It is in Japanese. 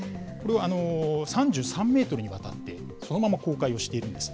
これを３３メートルにわたって、そのまま公開をしているんです。